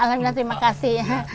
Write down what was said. alhamdulillah terima kasih